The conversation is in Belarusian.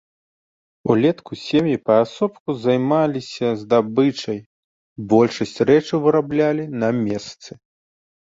Улетку сем'і паасобку займаліся здабычай, большасць рэчаў выраблялі на месцы.